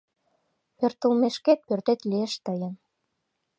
Пӧртылмешкет пӧртет лиеш тыйын».